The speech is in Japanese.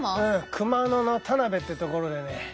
熊野の田辺って所でね